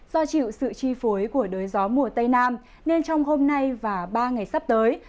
do chịu sự chi phối của đới gió mùa tây nam nên trong hôm nay và ba ngày sắp tới